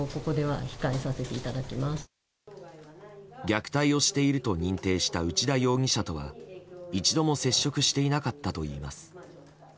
虐待をしていると認定した内田容疑者とは一度も接触していなかったといいます。